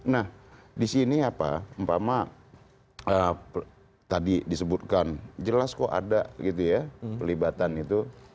nah di sini apa umpama tadi disebutkan jelas kok ada gitu ya pelibatan itu